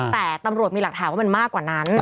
แต่ตำรวจมีหลักฐานว่ามันมากกว่านั้น